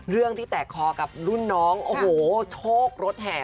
เรื่องที่แตกคอกับนุ่นน้องโทกรสเเผร์